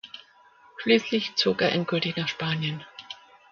Schließlich zog er endgültig nach Spanien.